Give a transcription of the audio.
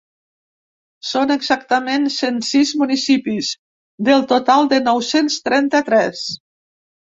Són exactament cent sis municipis, del total de nou-cents trenta-tres.